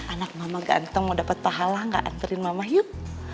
anak mama ganteng mau dapat pahala gak antarin mama yup